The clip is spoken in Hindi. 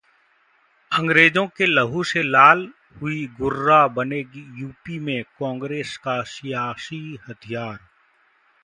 अंग्रेजों के लहू से लाल हुई 'गुर्रा' बनेगी यूपी में कांग्रेस का सियासी हथियार